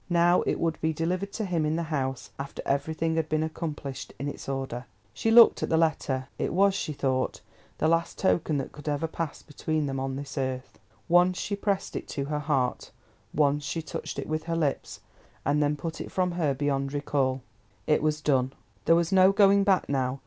Now it would be delivered to him in the House after everything had been accomplished in its order. She looked at the letter; it was, she thought, the last token that could ever pass between them on this earth. Once she pressed it to her heart, once she touched it with her lips, and then put it from her beyond recall. It was done; there was no going back now.